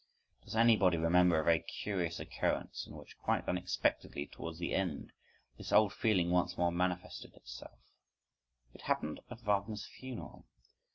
(12) Does anybody remember a very curious occurrence in which, quite unexpectedly towards the end, this old feeling once more manifested itself? It happened at Wagner's funeral.